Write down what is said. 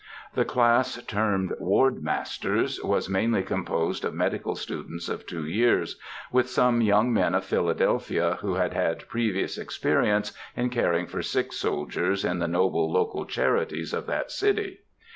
The class termed Ward masters was mainly composed of medical students of two years, with some young men of Philadelphia who had had previous experience in caring for sick soldiers in the noble local charities of that city.